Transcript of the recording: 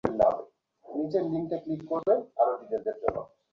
এরপরে বাংলাদেশ ব্যাংক দুই মাস আগে আবদুল হামিদকে অপসারণের জন্য চিঠি দিয়েছে।